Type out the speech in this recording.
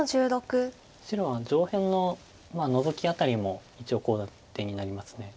白は上辺のノゾキ辺りも一応コウ立てになります。